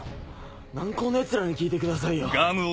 軟高のヤツらに聞いてくださいよ。